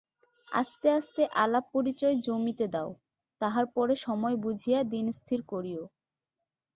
আস্তে আস্তে আলাপ-পরিচয় জমিতে দাও, তাহার পরে সময় বুঝিয়া দিনস্থির করিয়ো।